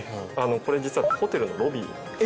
これ実はホテルのロビーなんです。